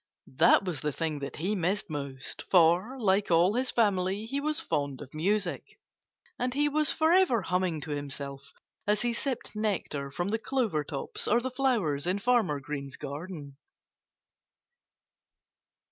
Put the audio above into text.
That was the thing that he missed most; for, like all his family, he was fond of music. And he was forever humming to himself as he sipped nectar from the clover tops or the flowers in Farmer Green's garden.